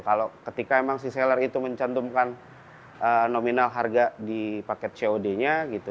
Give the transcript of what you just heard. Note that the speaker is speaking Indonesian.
kalau ketika emang si seller itu mencantumkan nominal harga di paket cod nya gitu